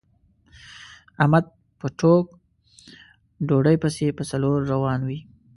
احمد په ټوک ډوډۍ پسې په څلور روان وي.